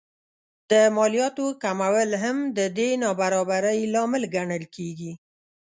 د مالیاتو کمول هم د دې نابرابرۍ لامل ګڼل کېږي